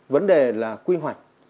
vấn đề là quy hoạch